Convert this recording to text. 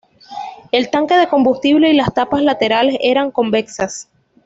El tanque de combustible y las tapas laterales eran convexas.